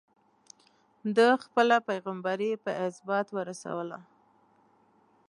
ده خپله پيغمبري په ازبات ورسوله.